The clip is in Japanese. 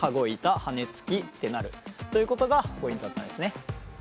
「はねつき」ってなるということがポイントだったんですね。